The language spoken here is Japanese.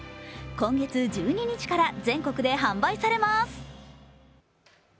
今月１２日から全国で販売されます。